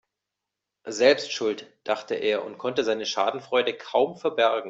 Selbst schuld, dachte er und konnte seine Schadenfreude kaum verbergen.